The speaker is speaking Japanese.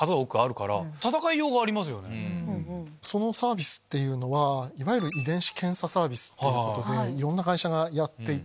そのサービスっていうのはいわゆる遺伝子検査サービスでいろんな会社がやっていて。